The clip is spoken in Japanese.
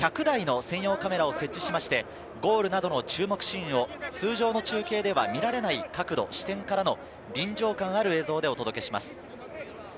会場内に１００台の専用カメラを設置しまして、ゴールなどの注目シーンを通常の中継では見られない角度、視点からの臨場感ある映像でお届けします。